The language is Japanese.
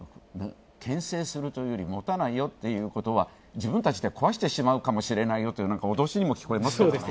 けん制するというより、もたないよということは自分たちで壊してしまうかもしれないよという脅しにも聞こえますからね。